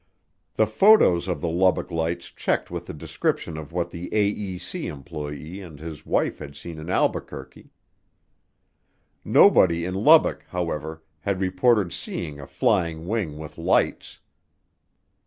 The photos of the Lubbock Lights checked with the description of what the AEC employee and his wife had seen in Albuquerque. Nobody in Lubbock, however, had reported seeing a "flying wing" with lights.